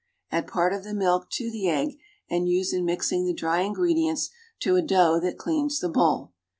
.\dd part of the milk to the egg and use in mixing the dry ingredients to a dough that cleans the bowl.